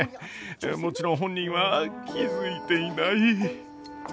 もちろん本人は気付いていない。